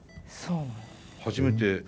初めて。